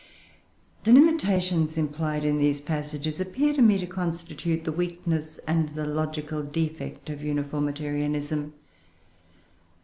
] The limitations implied in these passages appear to me to constitute the weakness and the logical defect of Uniformitarianism.